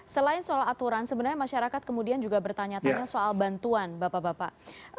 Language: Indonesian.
selain soal aturan sebenarnya masyarakat kemudian juga bertanya tanya soal bantuan bapak bapak